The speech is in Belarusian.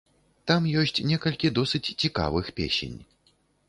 Там ёсць некалькі досыць цікавых песень.